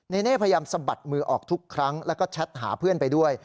เนเน่พยายามสะบัดมือออกทุกครั้งแล้วก็แชทหาเพื่อนไปด้วย